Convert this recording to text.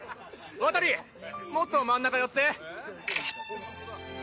渡もっと真ん中寄って。